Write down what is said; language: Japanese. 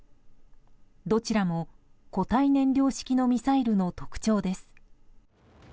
どちらも固体燃料式のミサイルの特徴です。